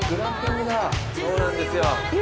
そうなんですよ。